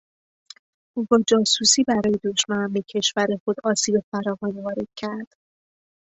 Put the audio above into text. او با جاسوسی برای دشمن به کشور خود آسیب فراوانی وارد کرد.